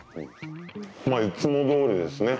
まあいつもどおりですね。